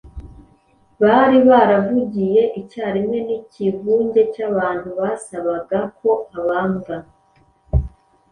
Bari baravugiye icyarimwe n’ikivunge cy’abantu basabaga ko abambwa.